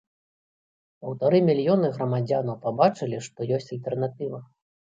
Паўтары мільёны грамадзянаў пабачылі, што ёсць альтэрнатыва.